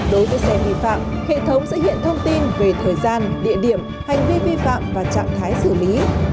đối với xe vi phạm hệ thống sẽ hiện thông tin về thời gian địa điểm hành vi vi phạm và trạng thái xử lý